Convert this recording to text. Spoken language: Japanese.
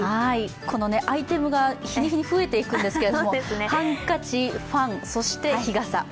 このアイテムが日に日に増えていくんですけどハンカチ、ファン、そして日傘。